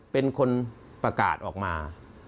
เป็นคนประกาศออกมา